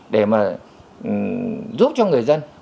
để mà giúp cho người dân